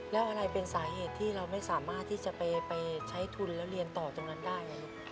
แล้วอะไรเป็นสาเหตุที่เราไม่สามารถที่จะไปใช้ทุนแล้วเรียนต่อตรงนั้นได้ไงลูก